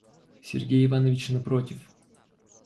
Сергей Иванович напротив.